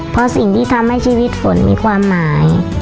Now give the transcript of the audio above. เพราะสิ่งที่ทำให้ชีวิตฝนมีความหมาย